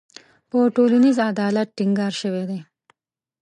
په ټولنیز عدالت ټینګار شوی دی.